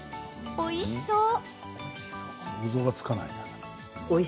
おいしそう。